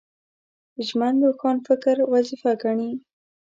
ژمن روښانفکر وظیفه ګڼي